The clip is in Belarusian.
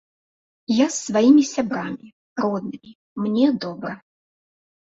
Я з сваімі сябрамі, роднымі, мне добра.